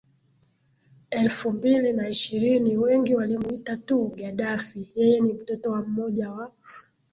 elfu mbili na ishirini Wengi walimuita tu Gaddafi Yeye ni mtoto wa mmoja wa